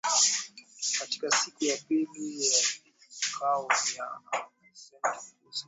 Katika siku ya pili ya vikao vya seneti kuhusu uteuzi wake , jaji Ketanji Brown , alijibu maswali kutoka kwa wanachama.